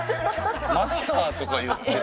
マスターとか言って。